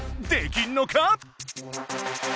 できんのか？